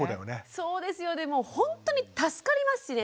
そうですよでもほんとに助かりますしね。